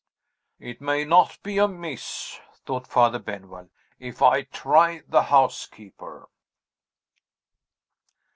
"It may not be amiss," thought Father Benwell, "if I try the housekeeper."